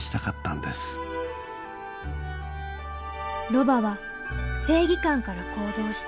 ロバは正義感から行動した。